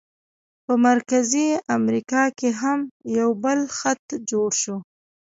په مرکزي امریکا کې هم یو بل خط جوړ شو.